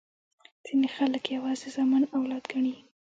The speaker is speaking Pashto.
ځیني خلګ یوازي زامن اولاد ګڼي.